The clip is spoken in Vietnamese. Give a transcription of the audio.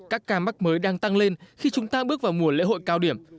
các ca mắc mới đang tăng lên khi chúng ta bước vào mùa lễ hội cao điểm